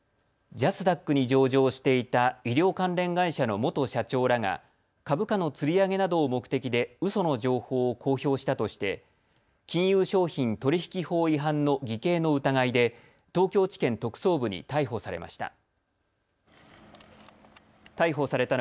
ジャスダックに上場していた医療関連会社の元社長らが株価のつり上げなどを目的でうその情報を公表したとして金融商品取引法違反の偽計の疑いで東京地検特捜部に逮捕されました。